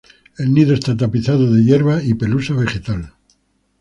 El nido está tapizado de hierba y pelusa vegetal.